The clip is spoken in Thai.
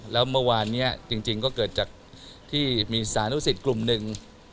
แล้วเมื่อวานนี้จริงก็เกิดจากที่มีสานุสิตกลุ่มหนึ่ง